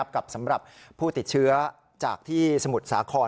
สำหรับผู้ติดเชื้อจากที่สมุทรสาคร